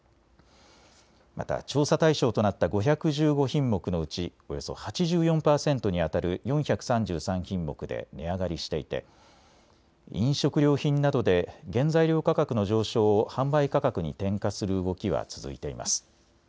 また調査対象となった５１５品目のうちおよそ８４％にあたる４３３品目で値上がりしていて飲食料品などで原材料価格の上昇を販売価格に転嫁する動きは続いています。